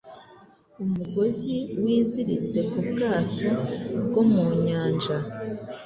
Umugozi wiziritse ku bwato bwo mu Nyanja